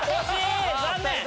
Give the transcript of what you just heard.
残念！